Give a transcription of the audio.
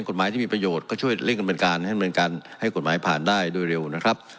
กฎหมายที่มีประโยชน์ก็ช่วยเล่นกันเป็นการให้กฎหมายผ่านได้ด้วยเร็วนะครับ